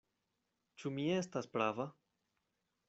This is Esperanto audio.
Ĉu mi estas prava?"